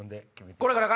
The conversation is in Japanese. これからか？